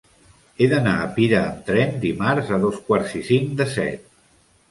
He d'anar a Pira amb tren dimarts a dos quarts i cinc de set.